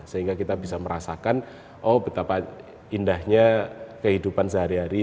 sehingga kita bisa merasakan oh betapa indahnya kehidupan sehari hari